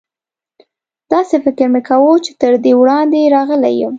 داسې فکر مې کاوه چې تر دې وړاندې راغلی یم.